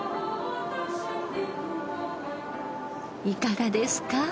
いかがですか？